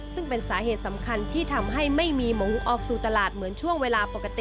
ซึ่งเป็นสาเหตุสำคัญที่ทำให้ไม่มีหมูออกสู่ตลาดเหมือนช่วงเวลาปกติ